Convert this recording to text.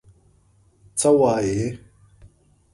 څه وايې؟